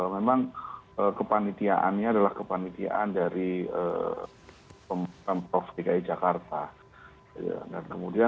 memang kepanitiaannya adalah kepanitiaan dari pemerintahan prof tki jakarta